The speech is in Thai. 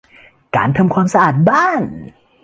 การทำความสะอาดบ้าน